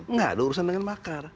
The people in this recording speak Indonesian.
nggak ada urusan dengan makar